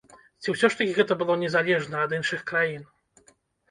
Ці ўсё ж такі гэта было незалежна ад іншых краін?